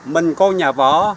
mình có nhà võ